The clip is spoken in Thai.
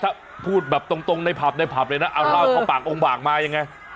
ถ้าพูดแบบตรงในผับในผับเลยนะเอาเราพอปากองค์บากมายังไง